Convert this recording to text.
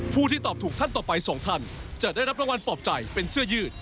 ที่ตอบถูกท่านต่อไปสองท่านจะได้รับรางวัลปลอบใจเป็นเสื้อยืด